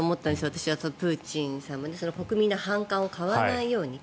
私はプーチンさん国民の反感を買わないようにと。